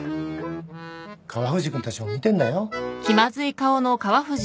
川藤君たちも見てんだよ。